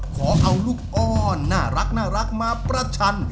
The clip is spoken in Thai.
ขอเอาลูกอ้อนน่ารักมาประชัน